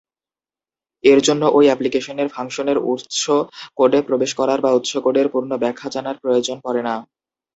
এর জন্য ঐ অ্যাপ্লিকেশনের ফাংশনের উৎস কোডে প্রবেশ করার বা উৎস কোডের পূর্ণ ব্যাখ্যা জানার প্রয়োজন পড়ে না।